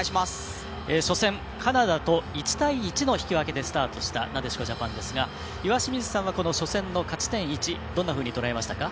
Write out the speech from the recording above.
初戦カナダと１対１の引き分けでスタートしたなでしこジャパンですが岩清水さんは初戦の勝ち点１どのようにとられましたか。